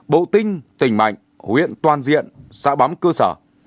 bộ tinh tỉnh mạnh huyện toàn diện xã bám cơ sở